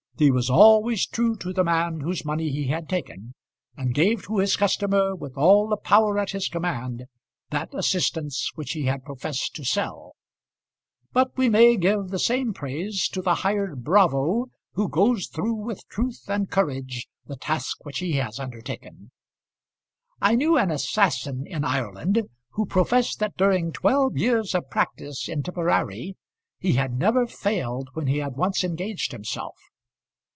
He was always true to the man whose money he had taken, and gave to his customer, with all the power at his command, that assistance which he had professed to sell. But we may give the same praise to the hired bravo who goes through with truth and courage the task which he has undertaken. I knew an assassin in Ireland who professed that during twelve years of practice in Tipperary he had never failed when he had once engaged himself.